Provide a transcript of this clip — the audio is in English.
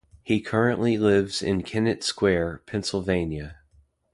He currently lives in Kennett Square, Pennsylvania.